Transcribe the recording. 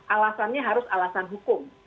alasannya harus alasan hukum